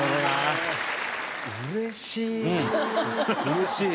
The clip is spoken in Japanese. うれしい。